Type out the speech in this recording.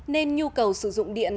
nên nhu cầu sử dụng điện